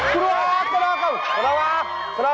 กูบอกสวัสดีครับ